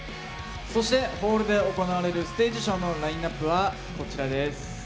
そしてホールで行われるステージショーのラインアップはこちらです。